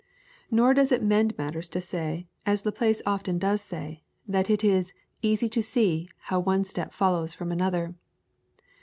Nor does it mend matters to say, as Laplace often does say, that it is "easy to see" how one step follows from another.